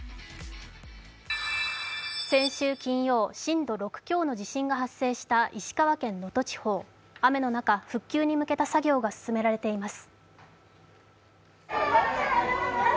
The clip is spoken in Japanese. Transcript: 先週金曜、震度６強の地震が発生した石川県能登地方雨の中復旧に向けた作業が行われています。